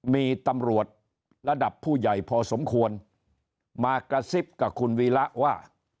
มีตำรวจระดับผู้ใหญ่พอสมควรมากระซิบกับคุณวีระว่า